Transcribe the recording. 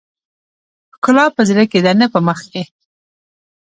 ښکلا په زړه کې ده نه په مخ کې .